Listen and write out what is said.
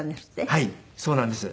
はいそうなんです。